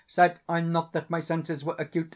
_ Said I not that my senses were acute?